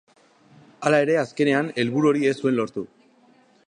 Hala ere, azkenean helburu hori ez zuen lortu.